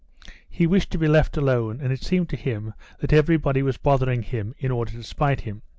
He wished to be left alone, and it seemed to him that everybody was bothering him in order to spite him.